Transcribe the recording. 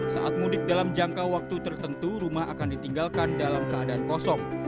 saat mudik dalam jangka waktu tertentu rumah akan ditinggalkan dalam keadaan kosong